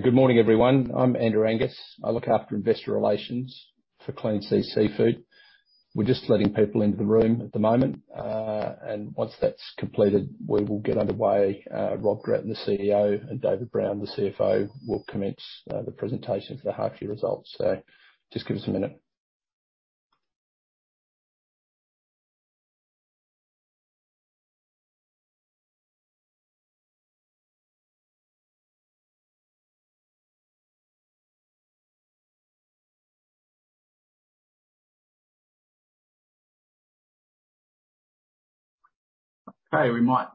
Good morning, everyone. I'm Andrew Angus. I look after investor relations for Clean Seas Seafood. We're just letting people into the room at the moment, and once that's completed, we will get underway. Rob Gratton, the CEO, and David Brown, the CFO, will commence the presentation for the half year results. Just give us a minute. Okay, we might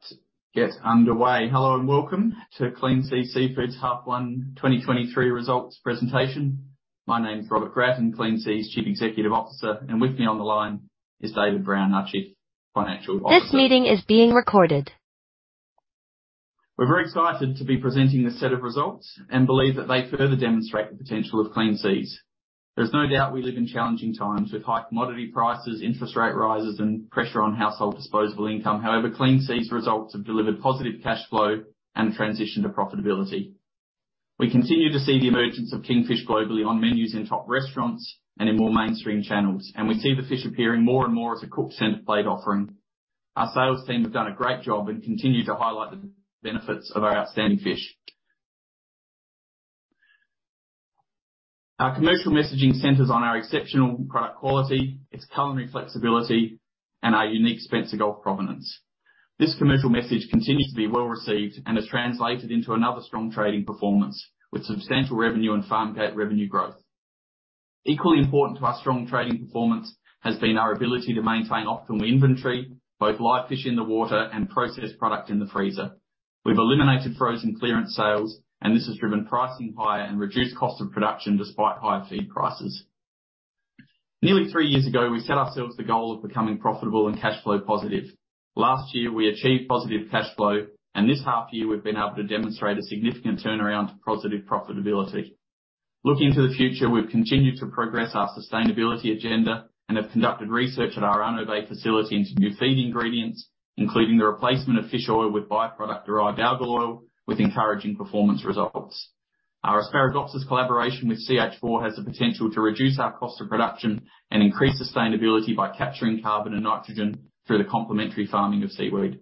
get underway. Hello and welcome to Clean Seas Seafood's half one 2023 results presentation. My name is Robert Gratton, Clean Seas's Chief Executive Officer, and with me on the line is David Brown, our Chief Financial Officer. We're very excited to be presenting this set of results and believe that they further demonstrate the potential of Clean Seas. There's no doubt we live in challenging times with high commodity prices, interest rate rises, and pressure on household disposable income. However, Clean Seas' results have delivered positive cash flow and transition to profitability. We continue to see the emergence of kingfish globally on menus in top restaurants and in more mainstream channels, and we see the fish appearing more and more as a cooked center plate offering. Our sales team have done a great job and continue to highlight the benefits of our outstanding fish. Our commercial messaging centers on our exceptional product quality, its culinary flexibility, and our unique Spencer Gulf provenance. This commercial message continues to be well-received and has translated into another strong trading performance with substantial revenue and farmgate revenue growth. Equally important to our strong trading performance has been our ability to maintain optimal inventory, both live fish in the water and processed product in the freezer. We've eliminated frozen clearance sales. This has driven pricing higher and reduced cost of production despite higher feed prices. Nearly three years ago, we set ourselves the goal of becoming profitable and cash flow positive. Last year, we achieved positive cash flow, and this half year, we've been able to demonstrate a significant turnaround to positive profitability. Looking to the future, we've continued to progress our sustainability agenda and have conducted research at our Arno Bay facility into new feed ingredients, including the replacement of fish oil with byproduct-derived algal oil with encouraging performance results. Our Asparagopsis collaboration with CH4 has the potential to reduce our cost of production and increase sustainability by capturing carbon and nitrogen through the complementary farming of seaweed.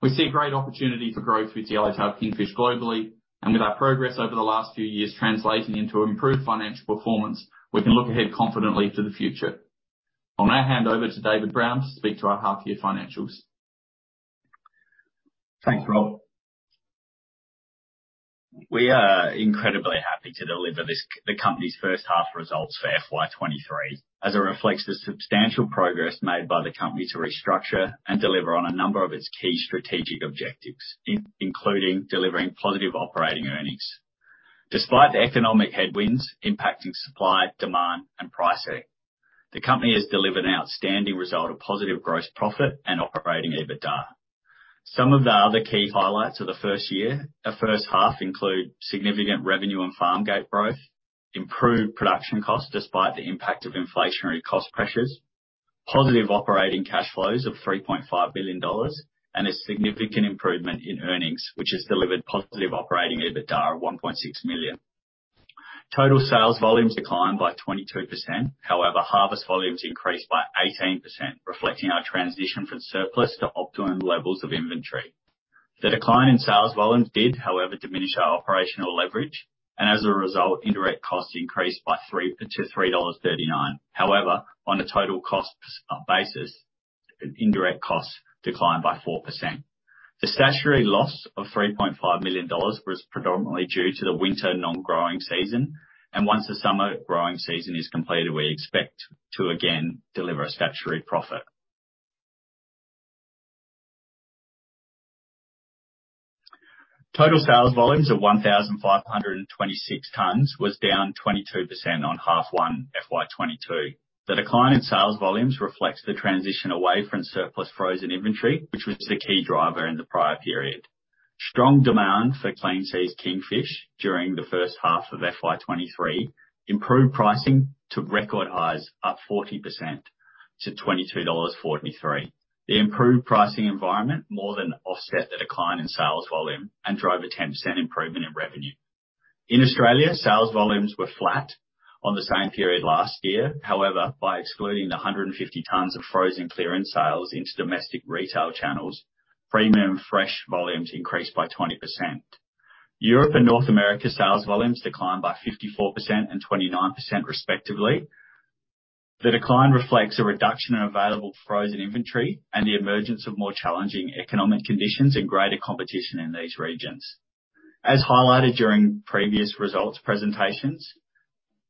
We see great opportunity for growth with Yellowtail Kingfish globally. With our progress over the last few years translating into improved financial performance, we can look ahead confidently to the future. I'll now hand over to David Brown to speak to our half year financials. Thanks, Rob. We are incredibly happy to deliver this, the company's first half results for FY23, as it reflects the substantial progress made by the company to restructure and deliver on a number of its key strategic objectives, including delivering positive operating earnings. Despite the economic headwinds impacting supply, demand, and pricing, the company has delivered an outstanding result of positive gross profit and operating EBITDA. Some of the other key highlights of the first half include significant revenue and farmgate growth, improved production cost despite the impact of inflationary cost pressures, positive operating cash flows of 3.5 billion dollars, and a significant improvement in earnings, which has delivered positive operating EBITDA of 1.6 million. Total sales volumes declined by 22%. Harvest volumes increased by 18%, reflecting our transition from surplus to optimum levels of inventory. The decline in sales volumes did, however, diminish our operational leverage, and as a result, indirect costs increased by 3-3.39 dollars. On a total cost basis, indirect costs declined by 4%. The statutory loss of 3.5 million dollars was predominantly due to the winter non-growing season, and once the summer growing season is completed, we expect to again, deliver a statutory profit. Total sales volumes of 1,526 tons was down 22% on H1 FY22. The decline in sales volumes reflects the transition away from surplus frozen inventory, which was the key driver in the prior period. Strong demand for Clean Seas Kingfish during the first half of FY23 improved pricing to record highs up 40% to 22.43 dollars. The improved pricing environment more than offset the decline in sales volume and drive a 10% improvement in revenue. In Australia, sales volumes were flat on the same period last year. By excluding the 150 tons of frozen clearance sales into domestic retail channels, premium fresh volumes increased by 20%. Europe and North America sales volumes declined by 54% and 29%, respectively. The decline reflects a reduction in available frozen inventory and the emergence of more challenging economic conditions and greater competition in these regions. As highlighted during previous results presentations,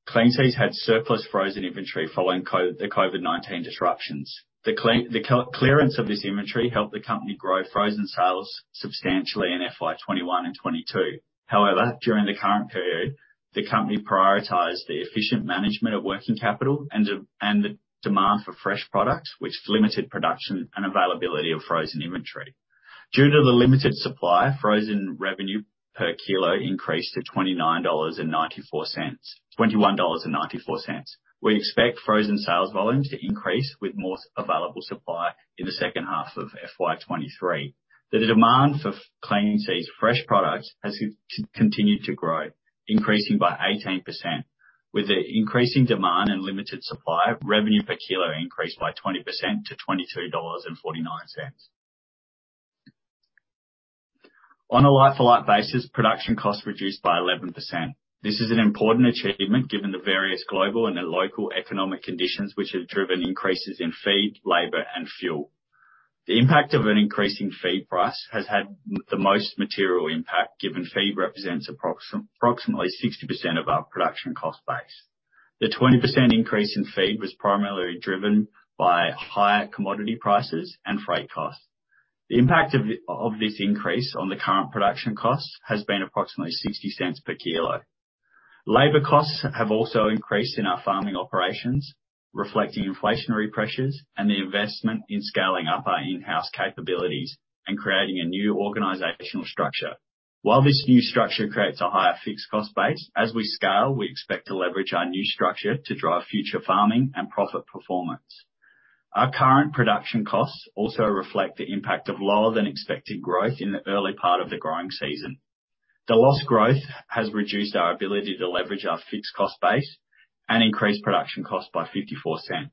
Clean Seas had surplus frozen inventory following the COVID-19 disruptions. The clearance of this inventory helped the company grow frozen sales substantially in FY21 and FY22. However, during the current period, the company prioritized the efficient management of working capital and the demand for fresh products, which limited production and availability of frozen inventory. Due to the limited supply, frozen revenue per kilo increased to 21.94 dollars. We expect frozen sales volumes to increase with more available supply in the second half of FY23. The demand for Clean Seas fresh products has continued to grow, increasing by 18%. With the increasing demand and limited supply, revenue per kilo increased by 20% to AUD 22.49. On a like-for-like basis, production costs reduced by 11%. This is an important achievement given the various global and the local economic conditions which have driven increases in feed, labor, and fuel. The impact of an increasing feed price has had the most material impact, given feed represents approximately 60% of our production cost base. The 20% increase in feed was primarily driven by higher commodity prices and freight costs. The impact of this increase on the current production costs has been approximately 0.60 per kilo. Labor costs have also increased in our farming operations, reflecting inflationary pressures and the investment in scaling up our in-house capabilities and creating a new organizational structure. While this new structure creates a higher fixed cost base, as we scale, we expect to leverage our new structure to drive future farming and profit performance. Our current production costs also reflect the impact of lower than expected growth in the early part of the growing season. The lost growth has reduced our ability to leverage our fixed cost base and increased production costs by 0.54.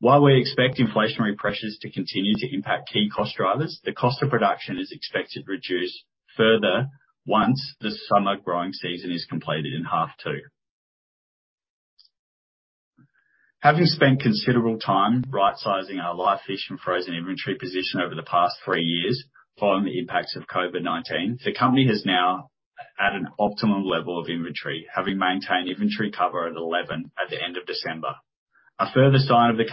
While we expect inflationary pressures to continue to impact key cost drivers, the cost of production is expected to reduce further once the summer growing season is completed in half two. Having spent considerable time right sizing our live fish and frozen inventory position over the past three years following the impacts of COVID-19, the company is now at an optimum level of inventory, having maintained inventory cover at 11 at the end of December. A further sign that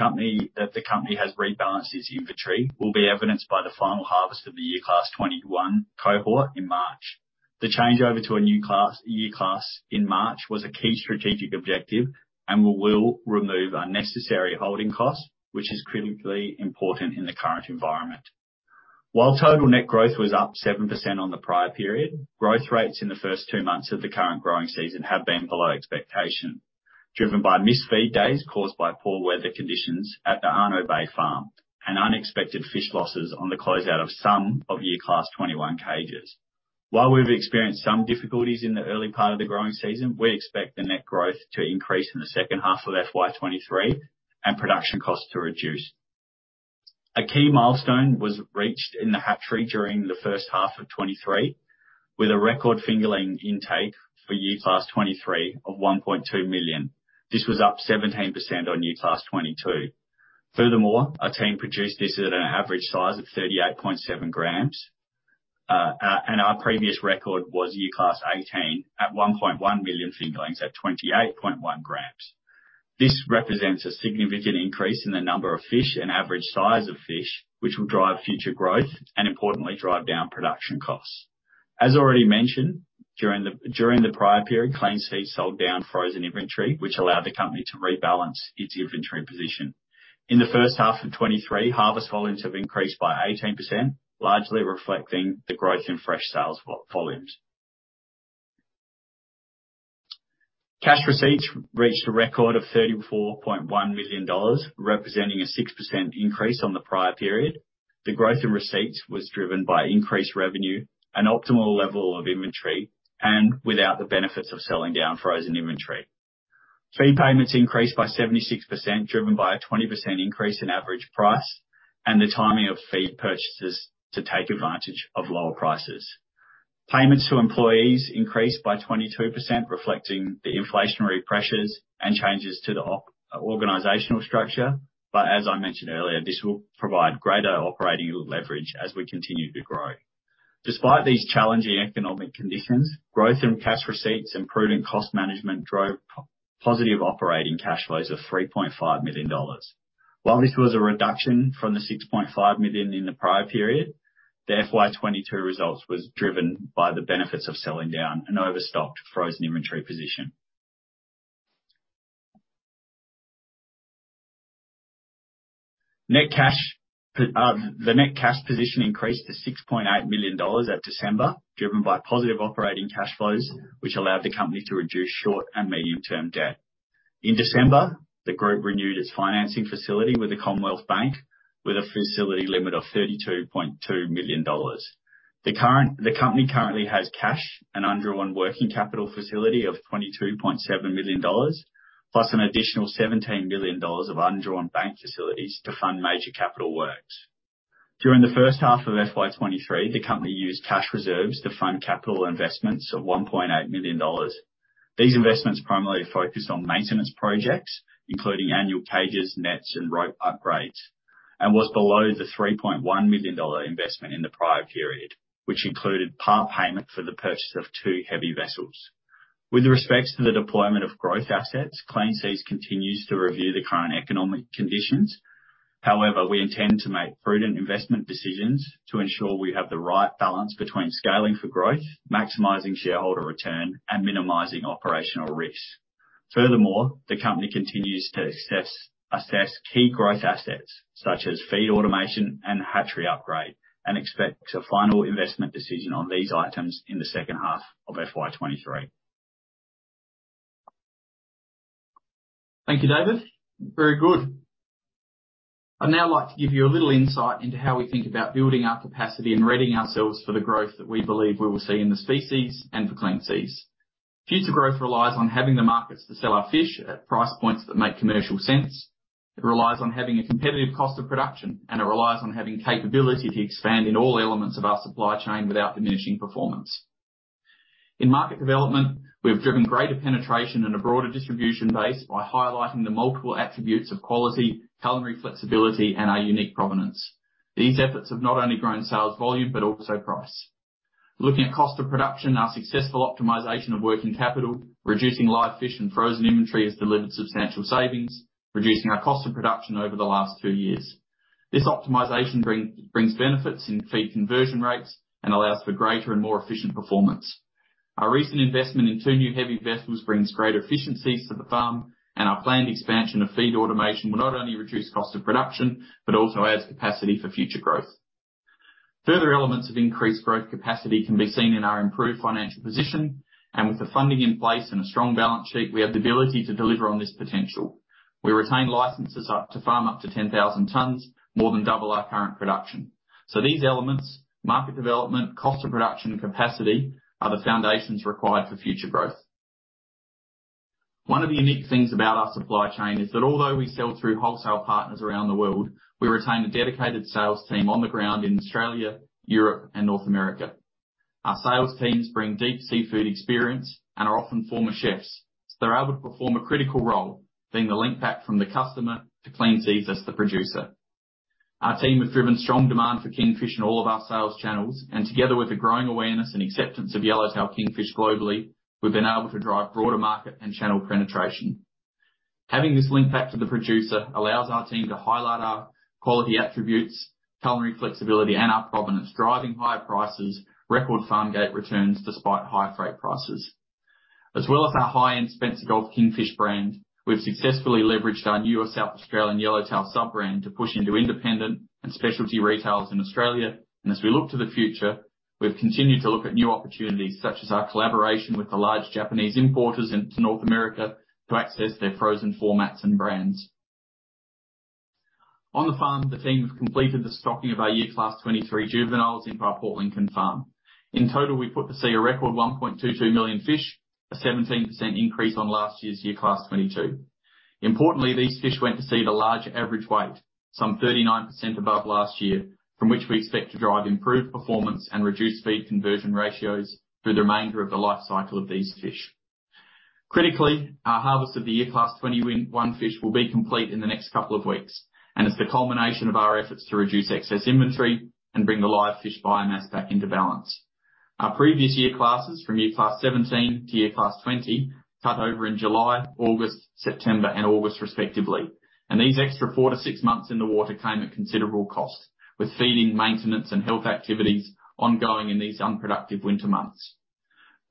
the company has rebalanced its inventory will be evidenced by the final harvest of the Year Class 2021 cohort in March. The change over to a new Year Class in March was a key strategic objective and will remove unnecessary holding costs, which is critically important in the current environment. While total net growth was up 7% on the prior period, growth rates in the first two months of the current growing season have been below expectation, driven by missed feed days caused by poor weather conditions at the Arno Bay, and unexpected fish losses on the closeout of some of Year Class 2021 cages. While we've experienced some difficulties in the early part of the growing season, we expect the net growth to increase in the second half of FY23, and production costs to reduce. A key milestone was reached in the hatchery during the first half of 2023, with a record fingerling intake for Year Class 23 of 1.2 million. This was up 17% on Year Class 2022. Furthermore, our team produced this at an average size of 38.7 grams. Our previous record was Year Class 18 at 1.1 million fingerlings at 28.1 grams. This represents a significant increase in the number of fish and average size of fish, which will drive future growth and importantly, drive down production costs. As already mentioned, during the prior period, Clean Seas sold down frozen inventory, which allowed the company to rebalance its inventory position. In the first half of 2023, harvest volumes have increased by 18%, largely reflecting the growth in fresh sales volumes. Cash receipts reached a record of 34.1 million dollars, representing a 6% increase on the prior period. The growth in receipts was driven by increased revenue and optimal level of inventory, and without the benefits of selling down frozen inventory. Fee payments increased by 76%, driven by a 20% increase in average price and the timing of feed purchases to take advantage of lower prices. Payments to employees increased by 22%, reflecting the inflationary pressures and changes to the organizational structure. As I mentioned earlier, this will provide greater operating leverage as we continue to grow. Despite these challenging economic conditions, growth in cash receipts and prudent cost management drove positive operating cash flows of 3.5 million dollars. While this was a reduction from the 6.5 million in the prior period, the FY22 results was driven by the benefits of selling down an overstocked frozen inventory position. Net cash, the net cash position increased to 6.8 million dollars at December, driven by positive operating cash flows, which allowed the company to reduce short and medium-term debt. In December, the group renewed its financing facility with the Commonwealth Bank with a facility limit of 32.2 million dollars. The company currently has cash and undrawn working capital facility of 22.7 million dollars, plus an additional 17 million dollars of undrawn bank facilities to fund major capital works. During the first half of FY23, the company used cash reserves to fund capital investments of 1.8 million dollars. These investments primarily focused on maintenance projects, including annual cages, nets, and rope upgrades, and was below the 3.1 million dollar investment in the prior period, which included part-payment for the purchase of two heavy vessels. With respects to the deployment of growth assets, Clean Seas continues to review the current economic conditions. However, we intend to make prudent investment decisions to ensure we have the right balance between scaling for growth, maximizing shareholder return, and minimizing operational risks. Furthermore, the company continues to assess key growth assets such as feed automation and hatchery upgrade, and expects a final investment decision on these items in the second half of FY23. Thank you, David. Very good. I'd now like to give you a little insight into how we think about building our capacity and readying ourselves for the growth that we believe we will see in the species and for Clean Seas. Future growth relies on having the markets to sell our fish at price points that make commercial sense. It relies on having a competitive cost of production, and it relies on having capability to expand in all elements of our supply chain without diminishing performance. In market development, we have driven greater penetration and a broader distribution base by highlighting the multiple attributes of quality, culinary flexibility, and our unique provenance. These efforts have not only grown sales volume, but also price. Looking at cost of production, our successful optimization of working capital, reducing live fish and frozen inventory, has delivered substantial savings, reducing our cost of production over the last two years. This optimization brings benefits in feed conversion rates and allows for greater and more efficient performance. Our recent investment in two new heavy vessels brings greater efficiencies to the farm. Our planned expansion of feed automation will not only reduce cost of production, but also adds capacity for future growth. Further elements of increased growth capacity can be seen in our improved financial position. With the funding in place and a strong balance sheet, we have the ability to deliver on this potential. We retain licenses up to farm up to 10,000 tons, more than double our current production. These elements, market development, cost of production, and capacity, are the foundations required for future growth. One of the unique things about our supply chain is that although we sell through wholesale partners around the world, we retain a dedicated sales team on the ground in Australia, Europe and North America. Our sales teams bring deep seafood experience and are often former chefs, so they're able to perform a critical role, being the link back from the customer to Clean Seas as the producer. Our team have driven strong demand for kingfish in all of our sales channels, and together with a growing awareness and acceptance of yellowtail kingfish globally, we've been able to drive broader market and channel penetration. Having this link back to the producer allows our team to highlight our quality attributes, culinary flexibility, and our provenance, driving higher prices, record farmgate returns despite high freight prices. Our high-end Spencer Gulf Kingfish brand, we've successfully leveraged our newer South Australian Yellowtail sub-brand to push into independent and specialty retailers in Australia. As we look to the future, we've continued to look at new opportunities such as our collaboration with the large Japanese importers into North America to access their frozen formats and brands. On the farm, the team have completed the stocking of our Year Class 23 juveniles into our Port Lincoln farm. In total, we put to sea a record 1.22 million fish, a 17% increase on last year's Year Class 2022. Importantly, these fish went to sea at a larger average weight, some 39% above last year, from which we expect to drive improved performance and reduce feed conversion ratios through the remainder of the life cycle of these fish. Critically, our harvest of the Year Class 2021 fish will be complete in the next couple of weeks. It's the culmination of our efforts to reduce excess inventory and bring the live fish biomass back into balance. Our previous year classes, from Year Class 17 to Year Class 20, cut over in July, August, September, and August respectively. These extra four to six months in the water came at considerable cost, with feeding, maintenance, and health activities ongoing in these unproductive winter months.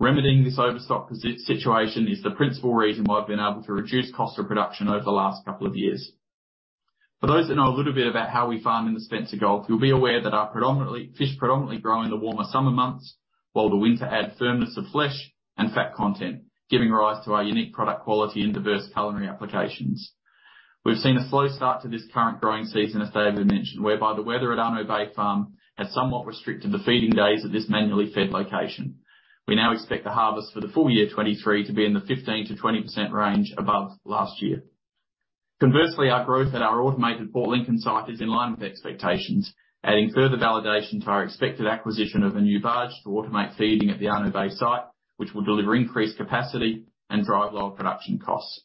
Remedying this overstock situation is the principal reason why we've been able to reduce cost of production over the last couple of years. For those that know a little bit about how we farm in the Spencer Gulf, you'll be aware that our fish predominantly grow in the warmer summer months, while the winter adds firmness of flesh and fat content, giving rise to our unique product quality and diverse culinary applications. We've seen a slow start to this current growing season, as David mentioned, whereby the weather at Arno Bay Farm has somewhat restricted the feeding days at this manually fed location. We now expect the harvest for the full-year 2023 to be in the 15%-20% range above last year. Conversely, our growth at our automated Port Lincoln site is in line with expectations, adding further validation to our expected acquisition of a new barge to automate feeding at the Arno Bay site, which will deliver increased capacity and drive lower production costs.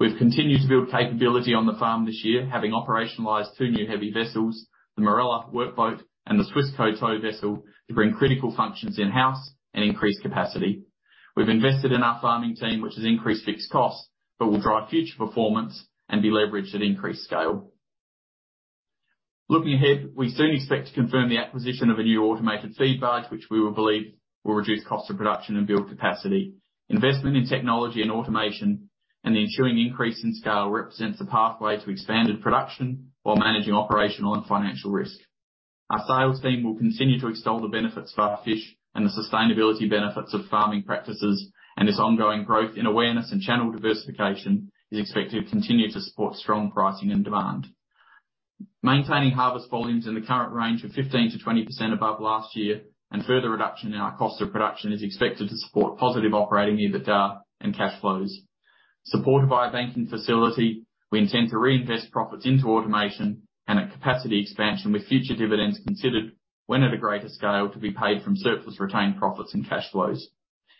We've continued to build capability on the farm this year, having operationalized two new heavy vessels, the Morella workboat and the Swissco tow vessel to bring critical functions in-house and increase capacity. We've invested in our farming team, which has increased fixed cost, but will drive future performance and be leveraged at increased scale. Looking ahead, we soon expect to confirm the acquisition of a new automated feed barge, which we believe will reduce cost of production and build capacity. Investment in technology and automation and the ensuing increase in scale represents the pathway to expanded production while managing operational and financial risk. As ongoing growth in awareness and channel diversification is expected to continue to support strong pricing and demand. Maintaining harvest volumes in the current range of 15%-20% above last year and further reduction in our cost of production is expected to support positive operating EBITDA and cash flows. Supported by a banking facility, we intend to reinvest profits into automation and a capacity expansion with future dividends considered when at a greater scale to be paid from surplus retained profits and cash flows.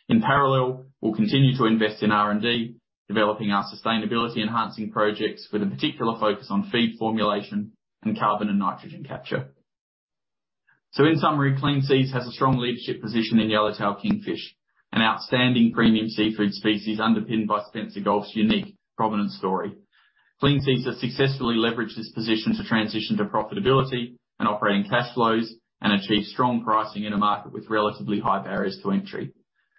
In parallel, we'll continue to invest in R&D, developing our sustainability-enhancing projects with a particular focus on feed formulation and carbon and nitrogen capture. In summary, Clean Seas has a strong leadership position in Yellowtail Kingfish, an outstanding premium seafood species underpinned by Spencer Gulf's unique provenance story. Clean Seas has successfully leveraged this position to transition to profitability and operating cash flows and achieve strong pricing in a market with relatively high barriers to entry.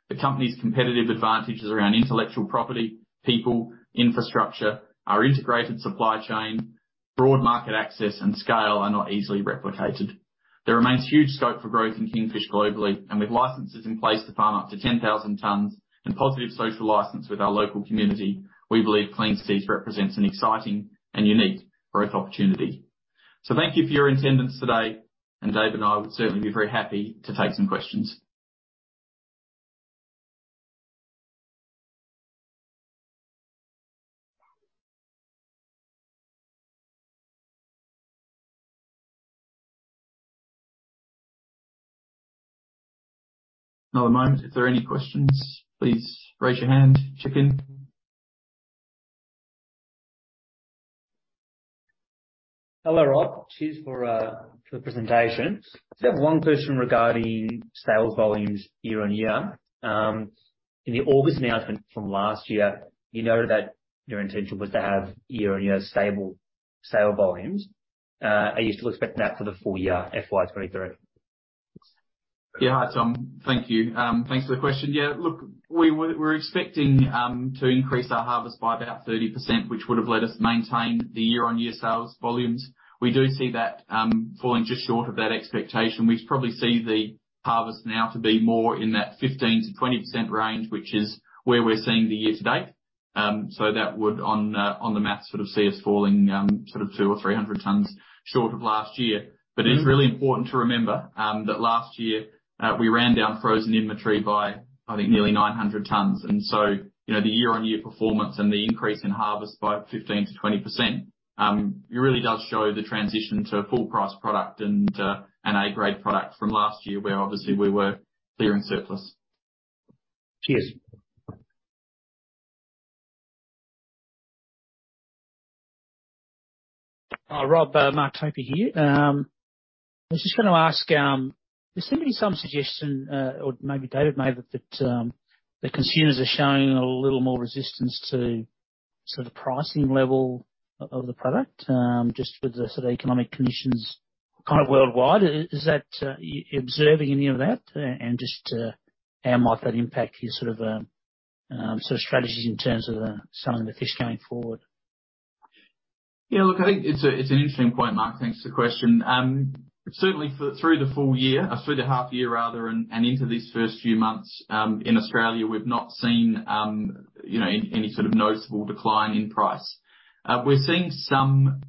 The company's competitive advantages around intellectual property, people, infrastructure, our integrated supply chain, broad market access, and scale are not easily replicated. There remains huge scope for growth in Kingfish globally. With licenses in place to farm up to 10,000 tons and positive social license with our local community, we believe Clean Seas represents an exciting and unique growth opportunity. Thank you for your attendance today, and David and I would certainly be very happy to take some questions. Another moment. If there are any questions, please raise your hand. Chip in. Hello, Rob. Cheers for the presentation. Just have one question regarding sales volumes year on year. In the August announcement from last year, you noted that your intention was to have year on year stable sale volumes. Are you still expecting that for the full-year, FY23? Hi, Tom. Thank you. Thanks for the question. Look, we're expecting to increase our harvest by about 30%, which would have let us maintain the year-on-year sales volumes. We do see that falling just short of that expectation. We probably see the harvest now to be more in that 15%-20% range, which is where we're seeing the year-to-date. That would on the maths sort of see us falling sort of 200 or 300 tons short of last year. It's really important to remember that last year, we ran down frozen inventory by, I think, nearly 900 tons. You know, the year-on-year performance and the increase in harvest by 15%-20%, it really does show the transition to full price product and an A grade product from last year where obviously we were clearing surplus. Cheers. Rob, Mark Toby here. I was just gonna ask, there seem to be some suggestion, or maybe David made that consumers are showing a little more resistance to sort of the pricing level of the product, just with the sort of economic conditions kind of worldwide. Is that... observing any of that and just, how might that impact your sort of, sort of strategies in terms of the selling the fish going forward? Look, I think it's a, it's an interesting point, Mark. Thanks for the question. Certainly for through the full-year or through the half year rather and into these first few months, in Australia, we've not seen, you know, any sort of noticeable decline in price. We're seeing some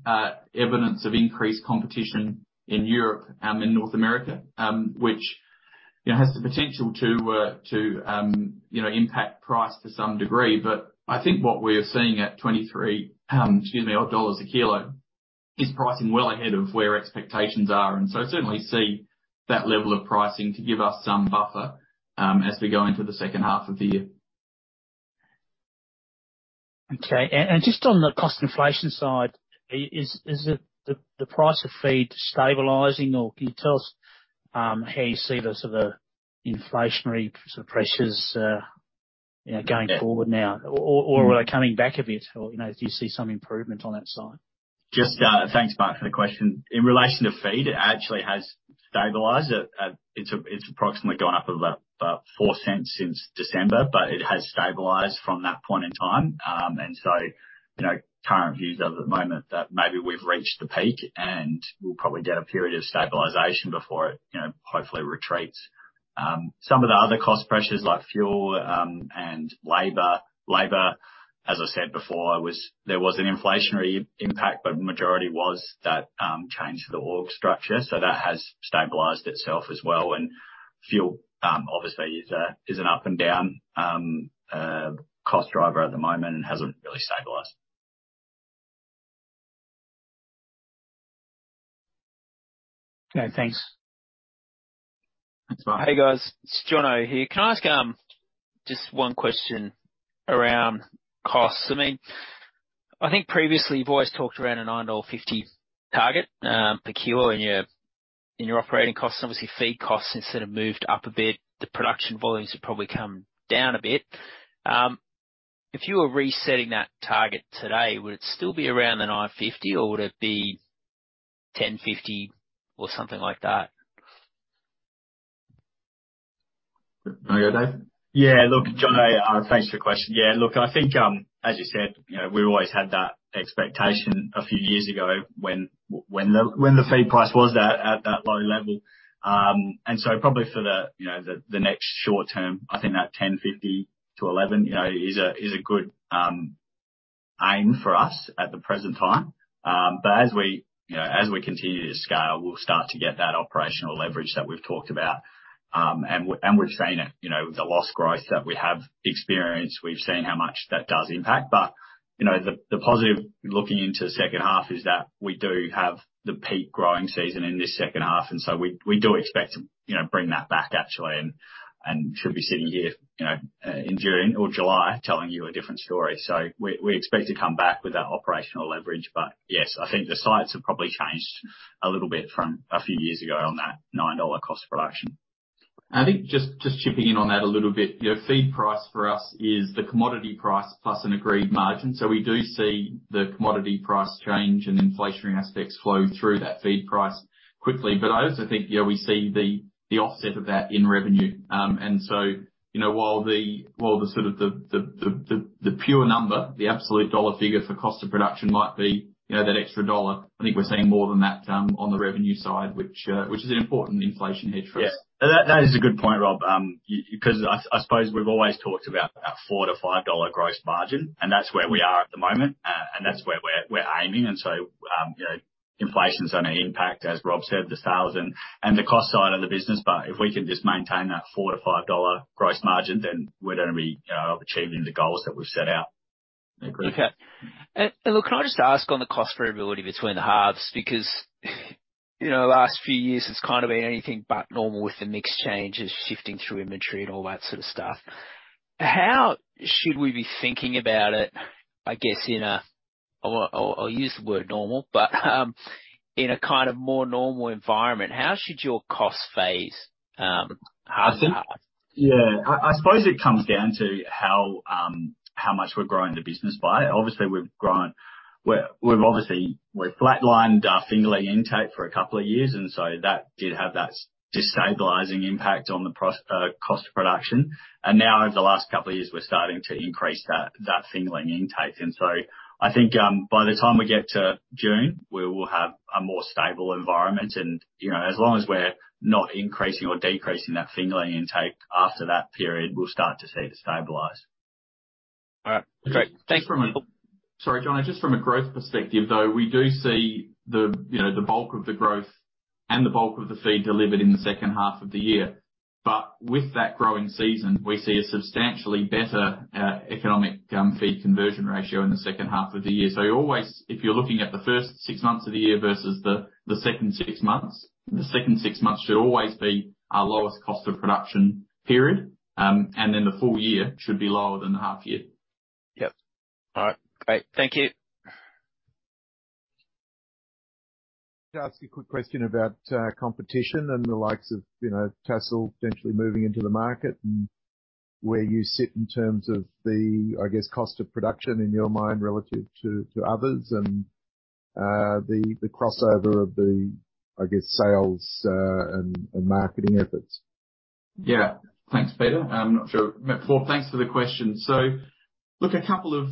evidence of increased competition in Europe, in North America, which, you know, has the potential to, you know, impact price to some degree. I think what we're seeing at 23 odd dollars a kilo is pricing well ahead of where expectations are. Certainly see that level of pricing to give us some buffer, as we go into the second half of the year. Okay. Just on the cost inflation side, is it the price of feed stabilizing or can you tell us how you see the sort of inflationary pressures, you know, going forward now? Or are they coming back a bit or, you know, do you see some improvement on that side? Just, thanks, Mark, for the question. In relation to feed, it actually has stabilized. It's approximately gone up about 0.04 since December, but it has stabilized from that point in time. And so, you know, current views are at the moment that maybe we've reached the peak, and we'll probably get a period of stabilization before it, you know, hopefully retreats. Some of the other cost pressures like fuel, and labor. Labor, as I said before, there was an inflationary impact, but majority was that change to the org structure. That has stabilized itself as well. Fuel, obviously is an up and down cost driver at the moment and hasn't really stabilized. Okay, thanks. Thanks, Mark. Hey, guys, it's Jono here. Can I ask just one question around costs? I mean, I think previously you've always talked around a 9.50 dollar target per kilo in your operating costs. Obviously, feed costs instead of moved up a bit, the production volumes have probably come down a bit. If you were resetting that target today, would it still be around the 9.50 or would it be 10.50 or something like that? Want to go, Dave? Jono, thanks for the question. I think, as you said, you know, we've always had that expectation a few years ago when the feed price was that, at that low level. Probably for the, you know, the next short term, I think that 10.50-11, you know, is a good aim for us at the present time. As we, you know, as we continue to scale, we'll start to get that operational leverage that we've talked about. We've seen it, you know, with the loss growth that we have experienced, we've seen how much that does impact. You know, the positive looking into second half is that we do have the peak growing season in this second half, we do expect to, you know, bring that back actually and should be sitting here, you know, in June or July telling you a different story. We, we expect to come back with that operational leverage. Yes, I think the sites have probably changed a little bit from a few years ago on that 9 dollar cost production. I think just chipping in on that a little bit, you know, feed price for us is the commodity price plus an agreed margin. We do see the commodity price change and inflationary aspects flow through that feed price quickly. I also think, you know, we see the offset of that in revenue. You know, while the sort of the pure number, the absolute dollar figure for cost of production might be, you know, that extra AUD 1, I think we're seeing more than that, on the revenue side, which is an important inflation hedge for us. Yeah, that is a good point, Rob. I suppose we've always talked about our 4-5 dollar gross margin. That's where we are at the moment. That's where we're aiming. You know, inflation's gonna impact, as Rob said, the sales and the cost side of the business. If we can just maintain that 4-5 dollar gross margin, then we're gonna be achieving the goals that we've set out. Okay. Look, can I just ask on the cost variability between the halves? Because, you know, the last few years it's kind of been anything but normal with the mix changes, shifting through inventory and all that sort of stuff. How should we be thinking about it, I guess, I'll use the word normal, but in a kind of more normal environment, how should your cost phase half to half? Yeah. I suppose it comes down to how much we're growing the business by. Obviously, we've flatlined our fingerling intake for a couple of years, that did have that stabilizing impact on the cost of production. Now over the last couple of years, we're starting to increase that fingerling intake. I think, by the time we get to June, we will have a more stable environment. You know, as long as we're not increasing or decreasing that fingerling intake after that period, we'll start to see it stabilize. All right. Great. Thanks for- Sorry, John. Just from a growth perspective, though, we do see the, you know, the bulk of the growth and the bulk of the feed delivered in the second half of the year. With that growing season we see a substantially better, economic, feed conversion ratio in the second half of the year. If you're looking at the first six months of the year versus the second six months, the second six months should always be our lowest cost of production period. The full-year should be lower than the half year. Yep. All right. Great. Thank you. Can I ask you a quick question about competition and the likes of, you know, Tassal potentially moving into the market and where you sit in terms of the, I guess, cost of production in your mind relative to others and the crossover of the, I guess sales and marketing efforts? Yeah. Thanks, Peter. Paul, thanks for the question. Look, a couple of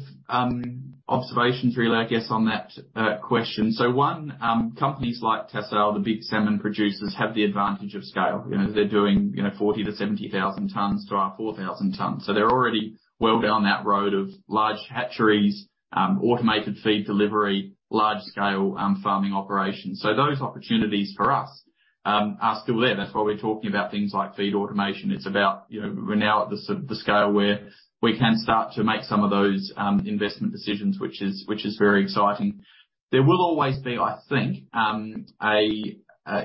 observations really, I guess, on that question. One, companies like Tassal, the big salmon producers, have the advantage of scale. You know, they're doing, you know, 40,000-70,000 tons to our 4,000 tons. They're already well down that road of large hatcheries, automated feed delivery, large scale farming operations. Those opportunities for us are still there. That's why we're talking about things like feed automation. It's about, you know, we're now at the scale where we can start to make some of those investment decisions, which is, which is very exciting. There will always be, I think,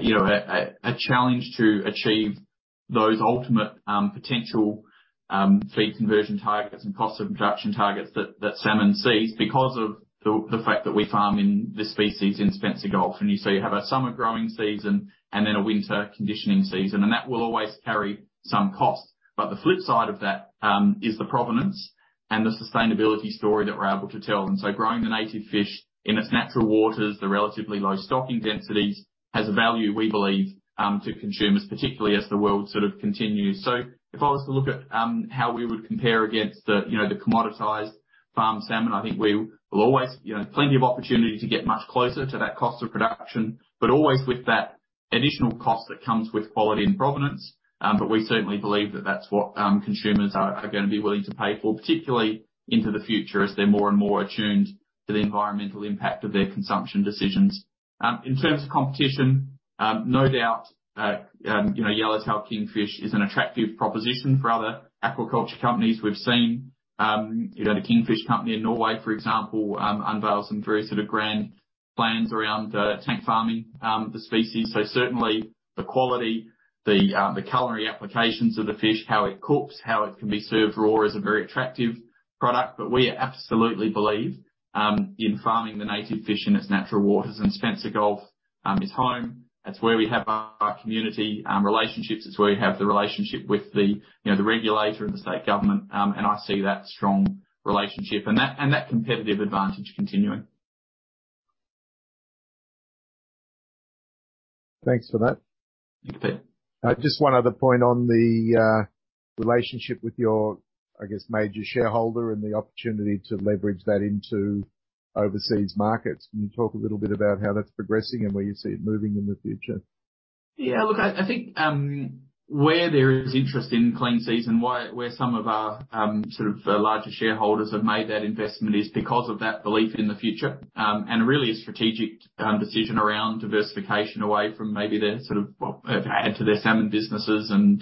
you know, a challenge to achieve those ultimate potential feed conversion targets and cost of production targets that salmon sees because of the fact that we farm in this species in Spencer Gulf. You see, you have a summer growing season and then a winter conditioning season, and that will always carry some cost. The flip side of that is the provenance and the sustainability story that we're able to tell. So growing the native fish in its natural waters, the relatively low stocking densities, has a value, we believe, to consumers, particularly as the world sort of continues. If I was to look at how we would compare against the, you know, the commoditized farmed salmon, I think we will always, plenty of opportunity to get much closer to that cost of production, but always with that additional cost that comes with quality and provenance. We certainly believe that that's what consumers are gonna be willing to pay for, particularly into the future, as they're more and more attuned to the environmental impact of their consumption decisions. In terms of competition, no doubt, you know, Yellowtail Kingfish is an attractive proposition for other aquaculture companies. We've seen, you know, The Kingfish Company in Norway, for example, unveil some very sort of grand plans around tank farming the species. Certainly the quality, the culinary applications of the fish, how it cooks, how it can be served raw is a very attractive product. We absolutely believe in farming the native fish in its natural waters, and Spencer Gulf is home. That's where we have our community relationships. It's where we have the relationship with the, you know, the regulator and the state government. I see that strong relationship and that competitive advantage continuing. Thanks for that. Thank you. Just one other point on the relationship with your, I guess, major shareholder and the opportunity to leverage that into overseas markets. Can you talk a little bit about how that's progressing and where you see it moving in the future? Yeah. Look, I think, where there is interest in Clean Seas and where some of our sort of larger shareholders have made that investment is because of that belief in the future, and really a strategic decision around diversification away from maybe their sort of what... add to their salmon businesses and,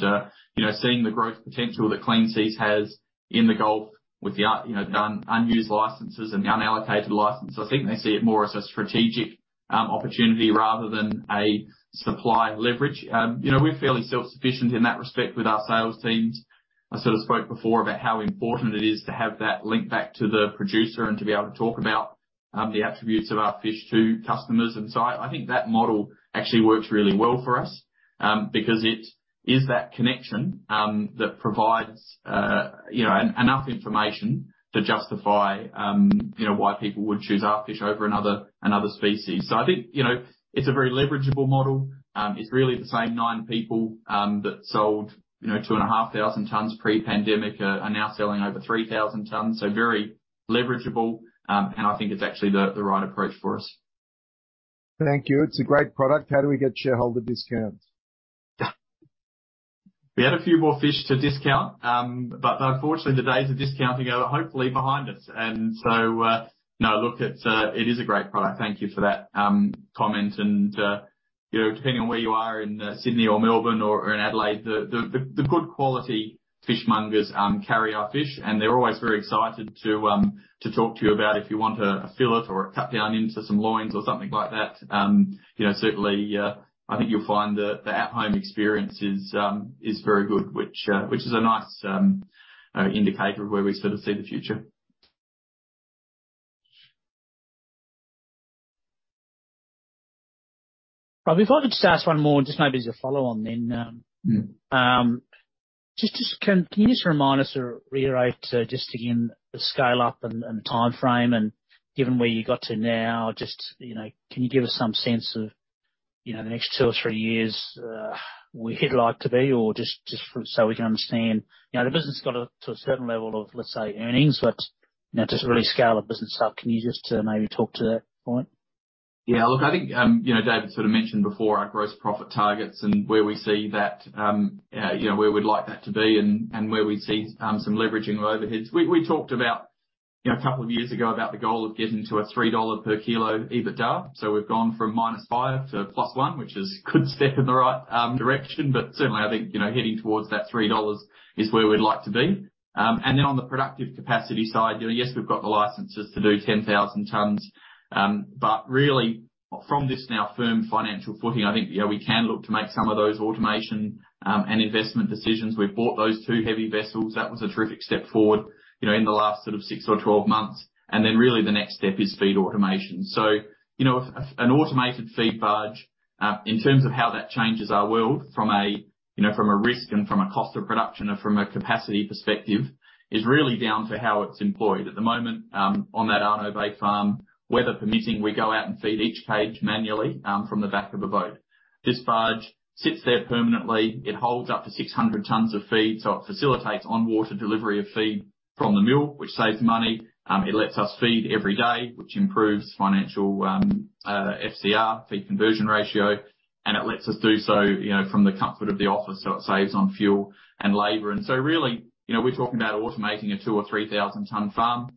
you know, seeing the growth potential that Clean Seas has in the Gulf with the you know, unused licenses and the unallocated license. I think they see it more as a strategic opportunity rather than a supply leverage. You know, we're fairly self-sufficient in that respect with our sales teams. I sort of spoke before about how important it is to have that link back to the producer and to be able to talk about the attributes of our fish to customers. I think that model actually works really well for us, because it is that connection that provides, you know, enough information to justify, you know, why people would choose our fish over another species. I think, you know, it's a very leverageable model. It's really the same 9 people that sold, you know, 2,500 tons pre-pandemic, are now selling over 3,000 tons. Very leverageable. And I think it's actually the right approach for us. Thank you. It's a great product. How do we get shareholder discounts? We had a few more fish to discount, but unfortunately the days of discounting are hopefully behind us. No look, it's a great product. Thank you for that comment. You know, depending on where you are in Sydney or Melbourne or in Adelaide, the good quality fishmongers carry our fish, and they're always very excited to talk to you about if you want a fillet or cut down into some loins or something like that. You know, certainly, I think you'll find the at home experience is very good, which is a nice indicator of where we sort of see the future. If I could just ask one more, just maybe as a follow on then. Mm-hmm. Can you just remind us or reiterate, just again, the scale up and the timeframe and given where you got to now, you know, can you give us some sense of, you know, the next two or three years, where you'd like to be or just so we can understand? You know, the business got to a certain level of, let's say, earnings, but you know, to really scale a business up, can you just maybe talk to that point? Look, I think, you know, David sort of mentioned before our gross profit targets and where we see that, you know, where we'd like that to be and where we see some leveraging of overheads. We, we talked about, you know, a couple of years ago about the goal of getting to a 3 dollar per kilo EBITDA. We've gone from -5 to +1, which is a good step in the right direction. Certainly I think, you know, heading towards that 3 dollars is where we'd like to be. On the productive capacity side, you know, yes, we've got the licenses to do 10,000 tons. Really from this now firm financial footing, I think, you know, we can look to make some of those automation and investment decisions. We've bought those two heavy vessels. That was a terrific step forward, you know, in the last sort of six or twelve months. Then really the next step is feed automation. You know, an automated feed barge, in terms of how that changes our world from a, you know, from a risk and from a cost of production and from a capacity perspective is really down to how it's employed. At the moment, on that Arno Bay farm, weather permitting, we go out and feed each cage manually, from the back of a boat. This barge sits there permanently. It holds up to 600 tons of feed, so it facilitates on-water delivery of feed from the mill, which saves money. It lets us feed every day, which improves financial FCR, feed conversion ratio, and it lets us do so, you know, from the comfort of the office so it saves on fuel and labor. Really, you know, we're talking about automating a 2,000 or 3,000 ton farm,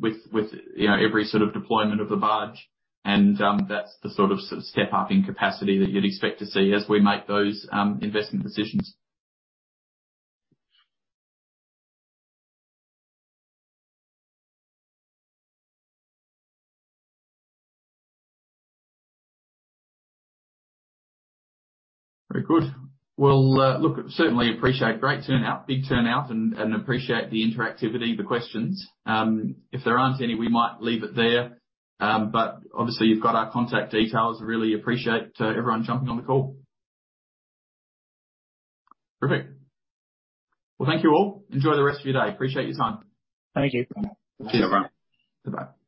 with, you know, every sort of deployment of the barge and that's the sort of step up in capacity that you'd expect to see as we make those investment decisions. Great turnout, big turnout and appreciate the interactivity, the questions. If there aren't any, we might leave it there. Obviously you've got our contact details. Really appreciate everyone jumping on the call. Perfect. Well, thank you all. Enjoy the rest of your day. Appreciate your time. Thank you. Cheers, everyone. Bye-bye.